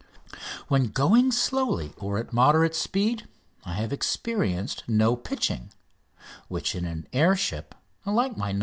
When going slowly or at moderate speed I have experienced no pitching, which in an air ship like my "No.